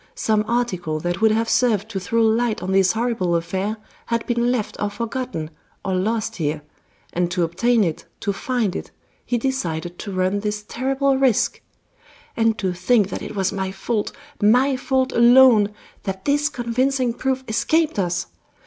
Some article that would have served to throw light on this horrible affair had been left or forgotten, or lost here, and to obtain it, to find it, he decided to run this terrible risk. And to think that it was my fault, my fault alone, that this convincing proof escaped us!